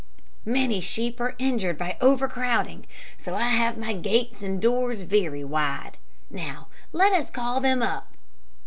Many sheep are injured by overcrowding, so I have my gates and doors very wide. Now, let us call them up."